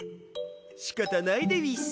しかたないでうぃす。